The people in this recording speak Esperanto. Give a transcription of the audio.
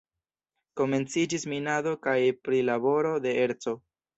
Komenciĝis minado kaj prilaboro de erco.